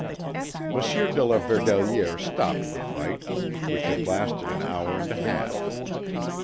Monsieur de la Verdelière stopped the fight, which had lasted an hour and a half.